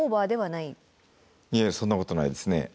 いえそんなことないですね。